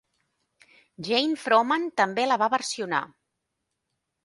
Jane Froman també la va versionar.